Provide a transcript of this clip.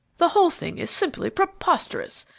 "The whole thing is simply preposterous.